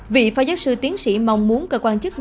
vị phó giáo sư tiến sĩ mong muốn cơ quan chức năng